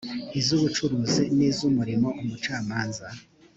iz ubucuruzi n iz umurimo umucamanza